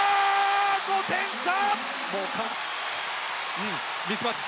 ５点差！